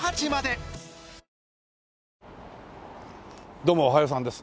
どうもおはようさんです。